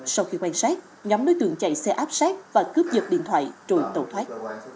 sau khi quan sát nhóm đối tượng chạy xe áp sát và cướp dật điện thoại rồi tẩu thoát